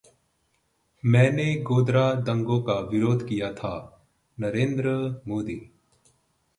मैंने गोधरा दंगों का विरोध किया था: नरेंद्र मोदी